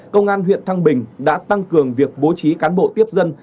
công an huyện thăng bình đã tăng cường việc bố trí cán bộ tiếp dân